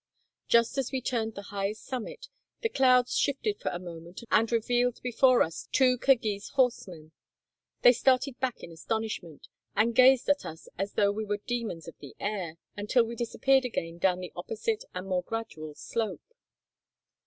Just as we turned the highest summit, the clouds shifted for a moment, and revealed before us two Kirghiz horsemen. They started back in astonishment, and gazed at us as though we were demons of the air, until we IV 121 disappeared again down the opposite and more gradual slope.